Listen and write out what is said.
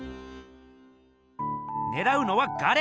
ねらうのは「ガレ」！